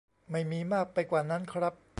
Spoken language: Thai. ไม่มีมากไปกว่านั้น ครับ